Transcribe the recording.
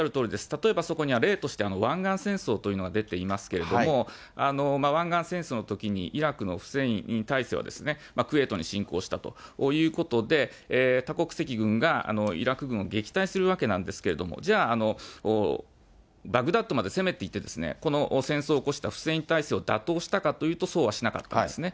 例えばそこには例として、湾岸戦争というのが出ていますけれども、湾岸戦争のときにイラクのフセインに対しては、クウェートに侵攻したということで、多国籍軍がイラク軍を撃退するわけなんですけれども、じゃあ、バグダッドまで攻めていって、この戦争を起こしたフセイン体制を打倒したかというと、そうはしなかったんですね。